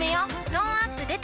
トーンアップ出た